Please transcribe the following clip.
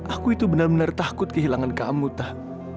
aku itu benar benar takut kehilangan kamu tahu